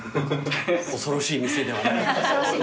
恐ろしい店ではなかった。